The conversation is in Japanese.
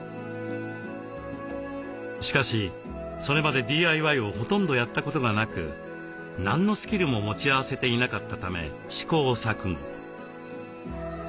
しかしそれまでＤＩＹをほとんどやったことがなく何のスキルも持ち合わせていなかったため試行錯誤。